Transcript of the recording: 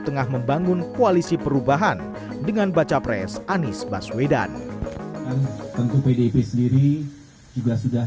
tengah membangun koalisi perubahan dengan baca pres anies baswedan tentu pdip sendiri juga sudah